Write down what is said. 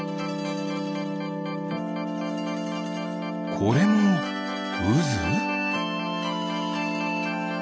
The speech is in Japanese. これもうず？